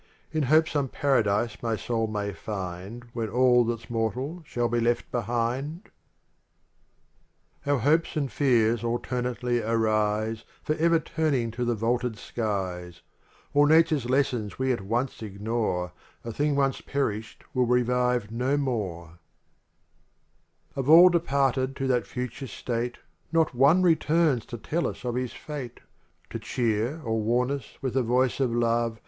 In hope some paradise my soul may find When aU that h s mortal shall be left behind ?— u VI IL|II I CI I I I _> I 1 1 UNIVERSITY OF MICHIGAN 27 LXU1 Our hopes and fears alternately arise, Forever turning to the vaulted skies. All nature's lessons we at once ignore, A thing once perished will revive no more. LXIV Of all departed to that future state , Not one returns to tell us of his fate, To cheer or warn us with a voice of love.